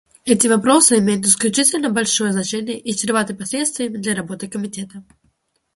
Эти вопросы имеют исключительно большое значение и чреваты последствиями для работы Комитета.